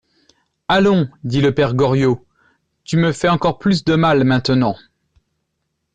Allons, dit le père Goriot, tu me fais encore plus de mal maintenant.